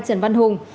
trần văn hùng